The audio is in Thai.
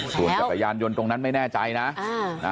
ส่วนจักรยานยนต์ตรงนั้นไม่แน่ใจนะ